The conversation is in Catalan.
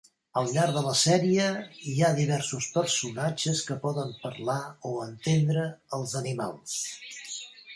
Al llarg de la sèrie, hi ha diversos personatges que poden parlar o entendre els animals.